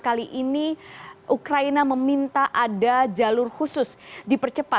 kali ini ukraina meminta ada jalur khusus dipercepat